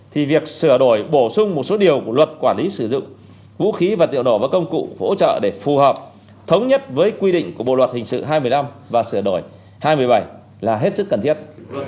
thì việc sửa đổi bổ sung một số điều của luật quản lý sử dụng vũ khí vật liệu nổ và công cụ hỗ trợ để phù hợp thống nhất với quy định của bộ luật hình sự hai mươi năm và sửa đổi hai nghìn một mươi bảy là hết sức cần thiết